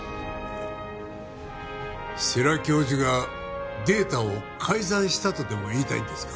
世良教授がデータを改ざんしたとでも言いたいんですか？